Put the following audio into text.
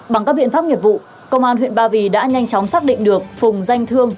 bằng các biện pháp nghiệp vụ công an huyện ba vì đã nhanh chóng xác định được phùng danh thương